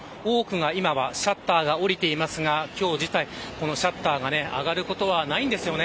今はシャッターが降りていますが今日はシャッターが上がることはないんですよね。